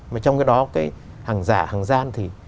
mà trong cái đó cái hàng giả hàng gian thì